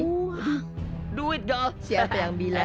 lumpur mungkin harus ingin memegang urus biaya